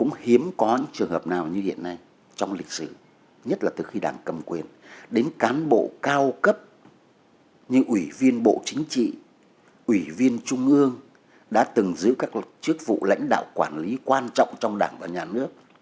nhưng ủy viên bộ chính trị ủy viên trung ương đã từng giữ các chức vụ lãnh đạo quản lý quan trọng trong đảng và nhà nước